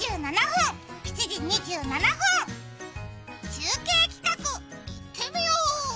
中継企画、いってみよう！